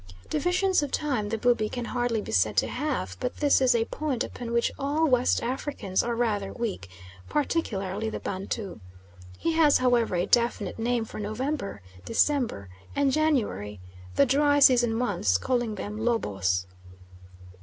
Divisions of time the Bubi can hardly be said to have, but this is a point upon which all West Africans are rather weak, particularly the Bantu. He has, however, a definite name for November, December, and January the dry season months calling them Lobos.